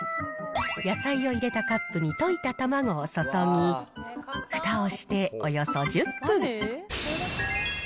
野菜を入れたカップに溶いた卵を注ぎ、ふたをしておよそ１０分。